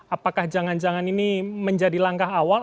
apakah jangan jangan ini menjadi langkah awal